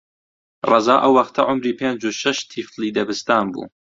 ڕەزا ئەو وەختە عومری پێنج و شەش تیفلی دەبستان بوو